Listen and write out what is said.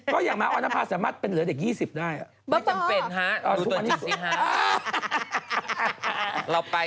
ก็อย่างนั้นออนภาษาสามารถเป็นเหลือเด็ก๒๐ได้